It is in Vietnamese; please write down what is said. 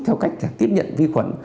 theo cách tiếp nhận vi khuẩn